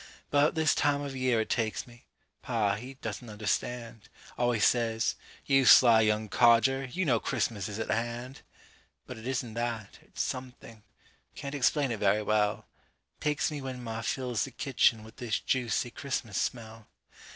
'Bout this time of year it takes me Pa, he doesn't understand, Always says: "You sly young codger, You know Christmas is at hand." But it isn't that, it's something Can't explain it very well Takes me when ma fills the kitchen With this juicy Christmas smell.